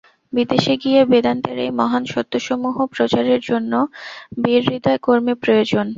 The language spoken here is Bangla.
বিদেশে গিয়া বেদান্তের এই মহান সত্যসমূহ-প্রচারের জন্য বীরহৃদয় কর্মী প্রয়োজন।